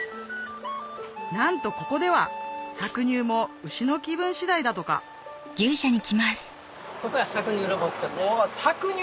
なんとここでは搾乳も牛の気分次第だとかうわ搾乳ロボット。